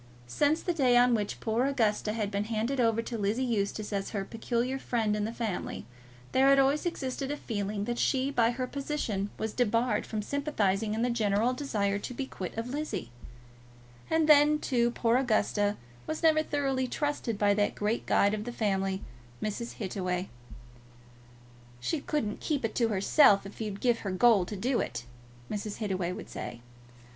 Since the day on which poor Augusta had been handed over to Lizzie Eustace as her peculiar friend in the family, there had always existed a feeling that she, by her position, was debarred from sympathising in the general desire to be quit of Lizzie; and then, too, poor Augusta was never thoroughly trusted by that great guide of the family, Mrs. Hittaway. "She couldn't keep it to herself if you'd give her gold to do it," Mrs. Hittaway would say.